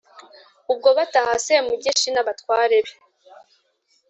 ubwo bataha semugeshi n'abatware be